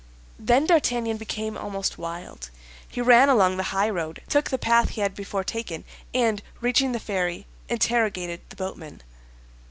Then D'Artagnan became almost wild. He ran along the high road, took the path he had before taken, and reaching the ferry, interrogated the boatman.